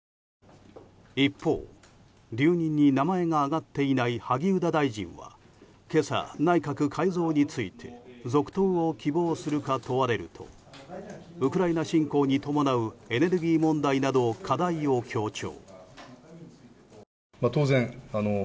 一方、留任に名前が挙がっていない萩生田大臣は今朝、内閣改造について続投を希望するか問われるとウクライナ侵攻に伴うエネルギー問題など課題を強調。